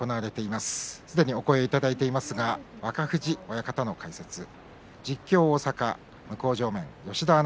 すでにお声をいただいていますが若藤親方の解説です。